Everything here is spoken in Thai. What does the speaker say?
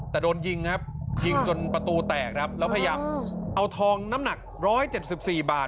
แต่โดนยิงนะครับยิงจนประตูแตกนะครับแล้วพยายามเอาทองน้ำหนักร้อยเจ็บสิบสี่บาท